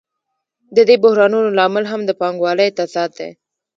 د دې بحرانونو لامل هم د پانګوالۍ تضاد دی